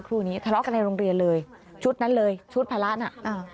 ครูนี้ทะเลาะกันในโรงเรียนเลยชุดนั้นเลยชุดภาระน่ะอ่า